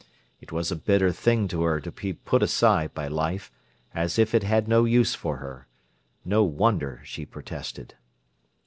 It was a bitter thing to her to be put aside by life, as if it had no use for her. No wonder she protested.